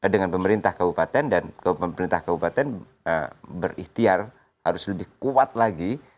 dengan pemerintah kabupaten dan pemerintah kabupaten berikhtiar harus lebih kuat lagi